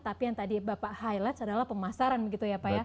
tapi yang tadi bapak highlight adalah pemasaran begitu ya pak ya